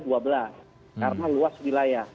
karena luas wilayah